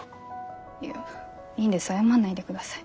いやいいんです謝んないでください。